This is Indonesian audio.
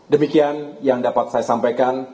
demikian yang dapat saya sampaikan